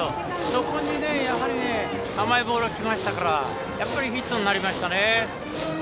そこに甘いボールが来ましたからやっぱりヒットになりましたね。